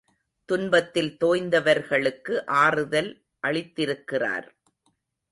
துன்பத்தில் தோய்ந்தவர்களுக்கு ஆறுதல் அளித்திருக்கிறார்.